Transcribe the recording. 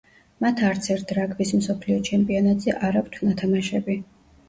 მათ არცერთ რაგბის მსოფლიო ჩემპიონატზე არ აქვთ ნათამაშები.